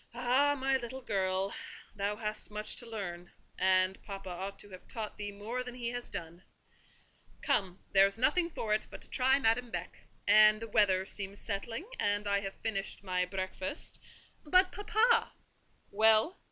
Ah, my little girl, thou hast much to learn; and papa ought to have taught thee more than he has done! Come, there is nothing for it but to try Madame Beck; and the weather seems settling, and I have finished my breakfast—" "But, papa!" "Well?"